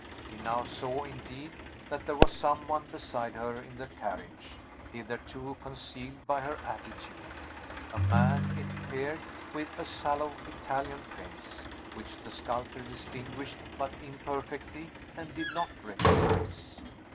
He now saw, indeed, that, there was some one beside her in the carriage, hitherto concealed by her attitude; a man, it appeared, with a sallow Italian face, which the sculptor distinguished but imperfectly, and did not recognize.